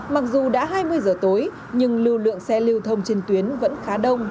mặc dù đã hai mươi giờ tối nhưng lưu lượng xe lưu thông trên tuyến vẫn khá đông